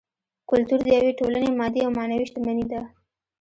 کولتور د یوې ټولنې مادي او معنوي شتمني ده